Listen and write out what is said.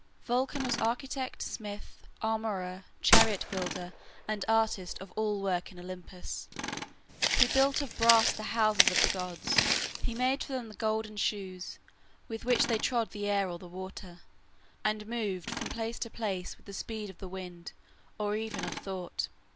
Vulcan was architect, smith, armorer, chariot builder, and artist of all work in Olympus. He built of brass the houses of the gods; he made for them the golden shoes with which they trod the air or the water, and moved from place to place with the speed of the wind, or even of thought.